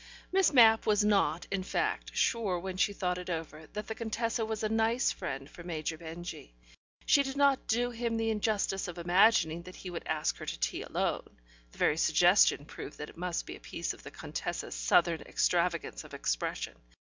Miss Mapp was not, in fact, sure when she thought it over, that the Contessa was a nice friend for Major Benjy. She did not do him the injustice of imagining that he would ask her to tea alone; the very suggestion proved that it must be a piece of the Contessa's Southern extravagance of expression.